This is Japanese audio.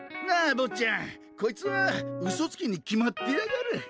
なあ坊っちゃんこいつはウソつきに決まってやがる！